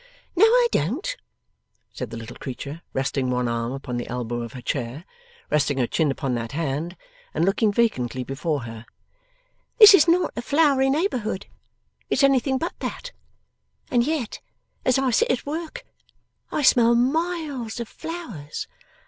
'No I don't,' said the little creature, resting one arm upon the elbow of her chair, resting her chin upon that hand, and looking vacantly before her; 'this is not a flowery neighbourhood. It's anything but that. And yet as I sit at work, I smell miles of flowers.